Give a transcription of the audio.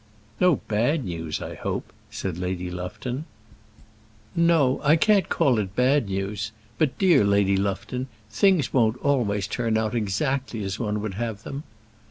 "No bad news, I hope?" said Lady Lufton. "No; I can't call it bad news. But, dear Lady Lufton, things won't always turn out exactly as one would have them."